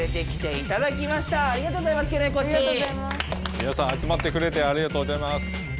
みなさんあつまってくれてありがとうございます。